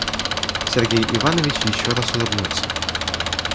Сергей Иванович еще раз улыбнулся.